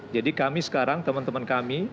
jadi kami sekarang teman teman kami